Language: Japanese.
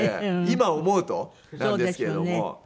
今思うとなんですけれども。